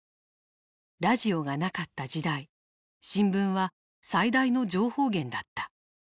ラジオがなかった時代新聞は最大の情報源だった。